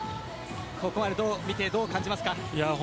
ここまでどう見てどう感じますか。